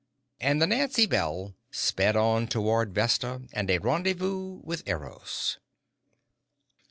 And the Nancy Bell sped on toward Vesta and a rendevous with Eros.